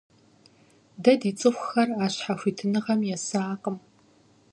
Дэ ди цӀыхухэр а щхьэхуитыныгъэм есакъым.